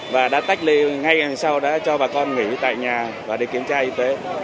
và đã tách liên ngay sau đó cho bà con nghỉ tại nhà và đi kiểm tra y tế